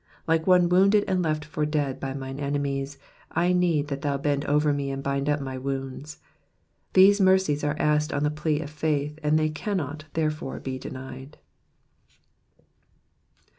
Like one wounded and left for dead by mine enemies, I need that thoii bend over me and bind up my wounds. These mercies are asked on the plea of faith, and they cannot, therefore, be denied.